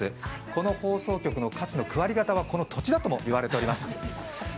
この放送局の価値の９割方はこの土地だとも言われています。